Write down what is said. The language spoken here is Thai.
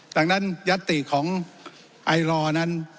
ดังนั้นยัตติของไอรอนั้น